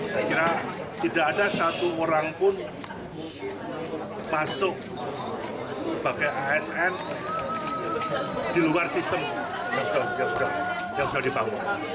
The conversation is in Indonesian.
saya kira tidak ada satu orang pun masuk sebagai asn di luar sistem yang sudah dibangun